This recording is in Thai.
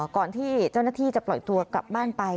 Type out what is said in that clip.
ก่อนที่เจ้าหน้าที่จะปล่อยตัวกลับบ้านไป